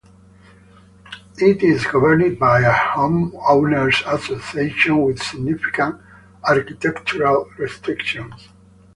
It is governed by a homeowners association with significant architectural restrictions.